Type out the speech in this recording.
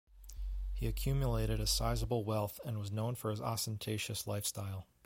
He accumulated a sizable wealth and was known for his ostentatious lifestyle.